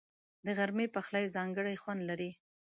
د غرمې پخلی ځانګړی خوند لري